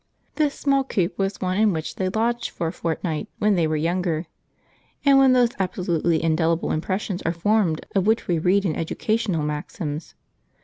This small coop was one in which they lodged for a fortnight when they were younger, and when those absolutely indelible impressions are formed of which we read in educational maxims.